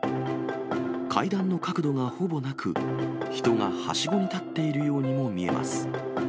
階段の角度がほぼなく、人がはしごに立っているようにも見えます。